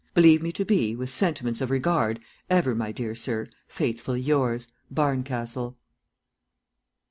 Believe me to be, with sentiments of regard, ever, my dear sir, faithfully yours, BARNCASTLE.'"